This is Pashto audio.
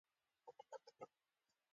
پر اوږه يې واچوله.